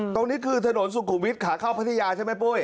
ตรงนี้คือถนนสุขุมวิทย์ขาเข้าพัทยาใช่ไหมปุ้ย